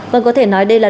vâng có thể nói đây là